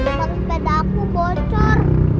ma sepeda aku bocor